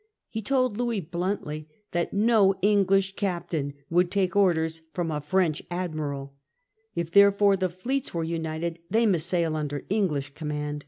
He told Louis bluntly that no English captain would take orders from a French admiral ; if therefore the fleets were united, they must sail under English command.